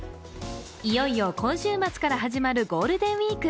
いよいよ今週末から始まるゴールデンウイーク。